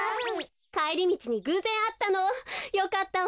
かえりみちにぐうぜんあったの。よかったわ。